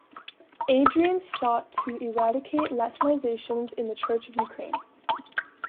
Adrian sought to eradicate Latinizations in the Church in Ukraine.